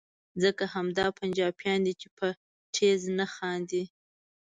ځکه همدا پنجابیان دي چې په ټیز نه خاندي.